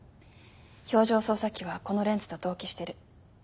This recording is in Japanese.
表情操作機はこのレンズと同期してる。